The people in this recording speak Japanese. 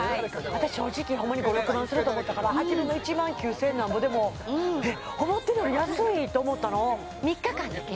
私正直ホンマに５６万すると思ったから初めの１万９０００なんぼでもえっ思ってたより安いと思ったの３日間だけ？